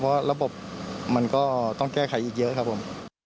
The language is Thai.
เพราะระบบมันก็ต้องแก้ไขอีกเยอะครับผม